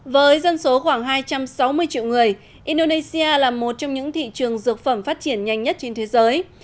với dân số khoảng hai trăm sáu mươi triệu người indonesia là một trong những thị trường dược phẩm phát triển nhanh nhất trên thế giới